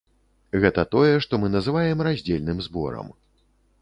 Гэта тое, што мы называем раздзельным зборам.